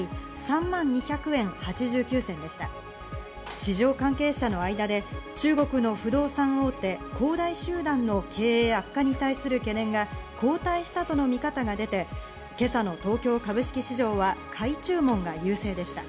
市場関係者の間で中国の不動産大手・恒大集団の経営悪化に対する懸念が後退したとの見方が出て今朝の東京株式市場は買い注文が優勢でした。